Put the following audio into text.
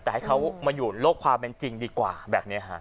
แต่ให้เขามาอยู่โลกความเป็นจริงดีกว่าแบบนี้ฮะ